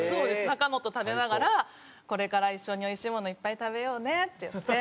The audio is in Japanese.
中本食べながら「これから一緒においしいものいっぱい食べようね」って言って。